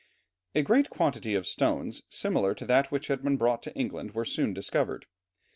A great quantity of stones similar to that which had been brought to England were soon discovered.